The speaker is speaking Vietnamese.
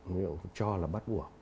ví dụ cho là bắt buộc